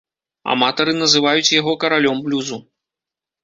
Аматары называюць яго каралём блюзу.